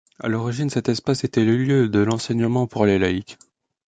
À l'origine cet espace était le lieu de l'enseignement pour les laïques.